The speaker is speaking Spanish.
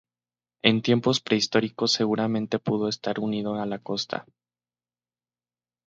En tiempos prehistóricos seguramente pudo estar unido a la costa.